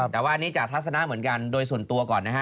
แต่ว่าอันนี้จากทัศนะเหมือนกันโดยส่วนตัวก่อนนะฮะ